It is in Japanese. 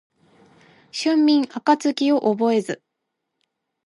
春眠暁を覚えず